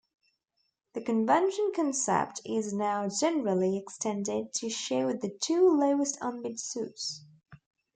The convention concept is now generally extended to show the "two lowest unbid" suits.